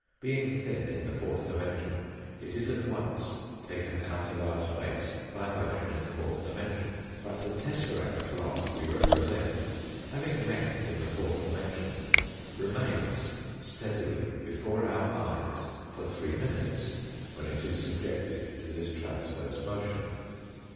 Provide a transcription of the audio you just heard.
Being thin in the fourth dimension it is at once taken out of our space by a motion in the fourth dimension. But the tesseract block we represent having length in the fourth dimension remains steadily before our eyes for three minutes, when it is subjected to this transverse motion.